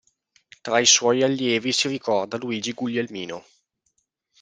Tra i suoi allievi si ricorda Luigi Guglielmino.